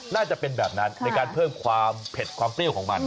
น่าจะเป็นแบบนั้นในการเพิ่มความเผ็ดความเปรี้ยวของมัน